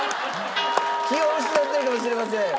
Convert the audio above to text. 気を失ってるかもしれません。